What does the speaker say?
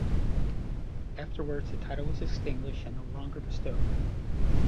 Afterwards, the title was extinguished and no longer bestowed.